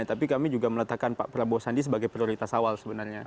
tapi kami juga meletakkan pak prabowo sandi sebagai prioritas awal sebenarnya